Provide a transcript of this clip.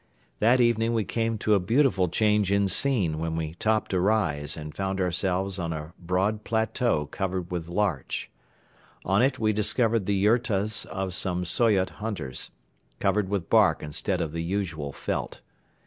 That evening we came to a beautiful change in scene when we topped a rise and found ourselves on a broad plateau covered with larch. On it we discovered the yurtas of some Soyot hunters, covered with bark instead of the usual felt.